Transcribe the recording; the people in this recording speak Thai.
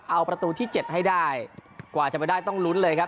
เอาประตูที่๗ให้ได้กว่าจะไปได้ต้องลุ้นเลยครับ